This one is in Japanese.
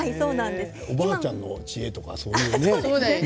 おばあちゃんの知恵とかそういうね。